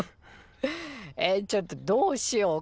えっちょっとどうしようこれ。